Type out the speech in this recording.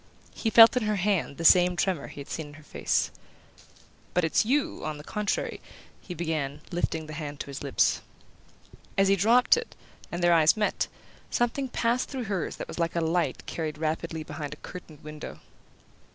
He felt in her hand the same tremor he had seen in her face. "But it's YOU, on the contrary " he began, lifting the hand to his lips. As he dropped it, and their eyes met, something passed through hers that was like a light carried rapidly behind a curtained window.